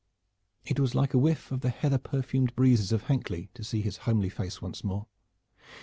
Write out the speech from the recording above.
It was like a whiff of the heather perfumed breezes of Hankley to see his homely face once more.